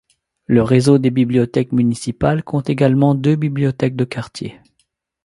Le réseau des bibliothèques municipales compte également deux bibliothèques de quartier.